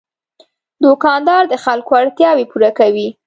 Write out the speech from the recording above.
دوکاندار د خلکو اړتیاوې پوره کوي.